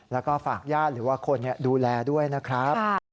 แล้วก็ฝากญาติหรือว่าคนดูแลด้วยนะครับ